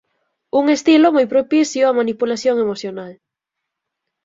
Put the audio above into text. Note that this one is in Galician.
Un estilo moi propicio á manipulación emocional.